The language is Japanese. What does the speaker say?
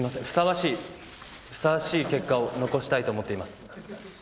ふさわしいふさわしい結果を残したいと思っています